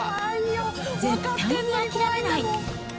絶対に諦めない。